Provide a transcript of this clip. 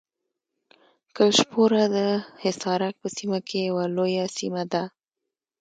کلشپوره د حصارک په سیمه کې یوه لویه سیمه ده.